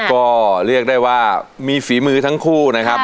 ก็เรียกได้ว่ามีฝีมือทั้งคู่นะครับ